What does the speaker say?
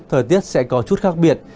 thời tiết sẽ có chút khác biệt